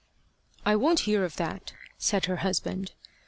"I won't hear of that," said her husband.